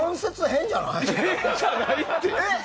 変じゃないって！